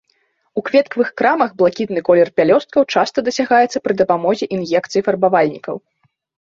У кветкавых крамах блакітны колер пялёсткаў часта дасягаецца пры дапамозе ін'екцый фарбавальнікаў.